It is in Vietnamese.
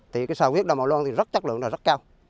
thì cái sò huyết đầm màu lon thì rất chất lượng rất cao